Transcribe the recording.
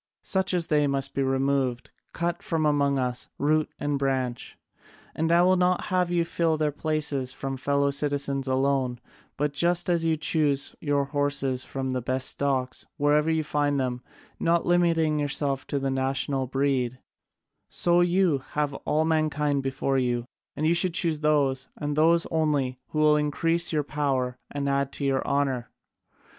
Such as they must be removed, cut out from among us, root and branch. And I would not have you fill their places from our fellow citizens alone, but, just as you choose your horses from the best stocks, wherever you find them, not limiting yourselves to the national breed, so you have all mankind before you, and you should choose those, and those only, who will increase your power and add to your honour.